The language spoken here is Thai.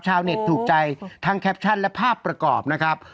ชาวเน็ตถูกใจทั้งแคปชั่นและภาพประกอบนะครับ